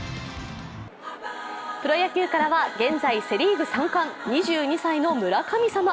プロ野球からは現在セ・リーグ三冠、２２歳の村神様。